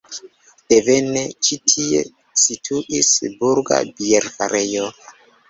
Devene ĉi tie situis burga bierfarejo.